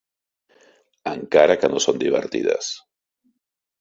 "Encara que no són divertides."